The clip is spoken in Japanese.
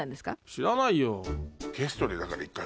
知らないよ